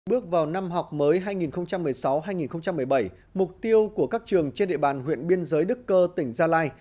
bước vào năm học mới hai nghìn một mươi sáu hai nghìn một mươi bảy mục tiêu của các trường trên địa bàn huyện biên giới đức cơ tỉnh gia lai